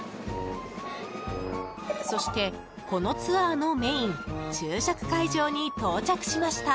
そして、このツアーのメイン昼食会場に到着しました。